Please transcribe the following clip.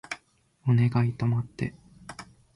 お願い止まって